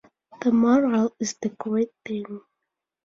The moral is the great thing.